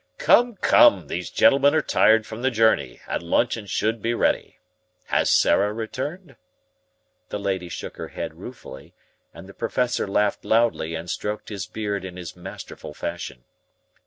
"Come, come, these gentlemen are tired from the journey, and luncheon should be ready. Has Sarah returned?" The lady shook her head ruefully, and the Professor laughed loudly and stroked his beard in his masterful fashion.